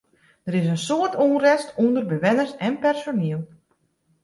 Der is in soad ûnrêst ûnder bewenners en personiel.